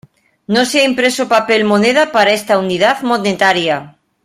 No se ha impreso papel moneda para esta unidad monetaria.